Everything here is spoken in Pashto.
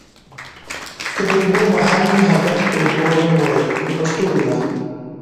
که د اوبو محلل وي هغه ته د اوبو رنګ وایي په پښتو وینا.